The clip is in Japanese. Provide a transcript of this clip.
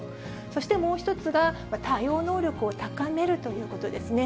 そしてもう１つが対応能力を高めるということですね。